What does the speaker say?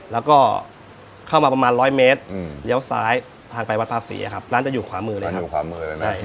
แล้วก็เข้ามาประมาณ๑๐๐เมตรเลี้ยวซ้ายทางไปวัดพาศรีครับร้านจะอยู่ขวามือเลยครับ